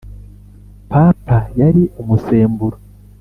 papa yari umusemburo